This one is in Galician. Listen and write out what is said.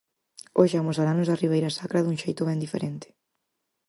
Hoxe amosaranos a Ribeira Sacra dun xeito ben diferente.